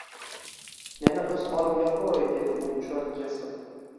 Meni o`z holimga qo`y, dedi u cho`rt kesib